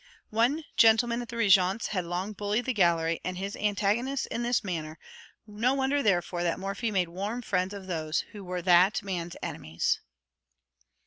One gentleman at the Régence had long bullied the gallery and his antagonists in this manner; no wonder, therefore, that Morphy made warm friends of those who were that man's enemies.